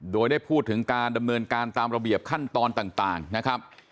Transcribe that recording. โดยได้พูดถึงการดำเนินการตามระเบียบขั้นตอนต่างนะครับ